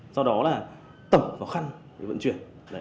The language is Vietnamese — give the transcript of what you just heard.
sau đó là tẩm vào khăn để vận chuyển